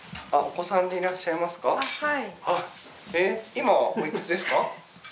今おいくつですか？